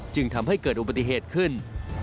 จึงทำให้เกิดอุบัติเหตุขึ้น